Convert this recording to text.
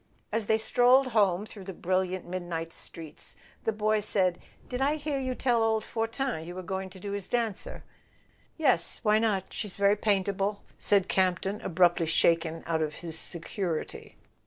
As they strolled home through the brilliant mid¬ night streets, the boy said: "Did I hear you tell old Fortin you were going to do his dancer?" "Yes—why not? She's very paintable," said Camp ton, abruptly shaken out of his security.